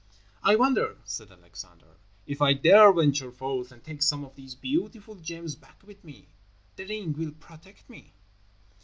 "I wonder," said Alexander, "if I dare venture forth and take some of these beautiful gems back with me. The ring will protect me."